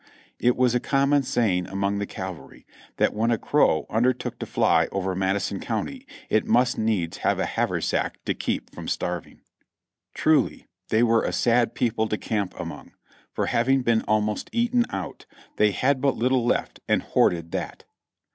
It was a common saying among the cavalry, "that when a crow undertook to fly over Madison County, it must needs take a hav ersack to keep from starving." Truly they were a sad people to camp among, for having been almost eaten out, they had but little left and hoarded that.